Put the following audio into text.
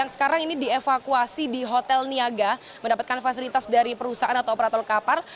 sekarang ini dievakuasi di hotel niaga mendapatkan fasilitas dari perusahaan atau operator kapal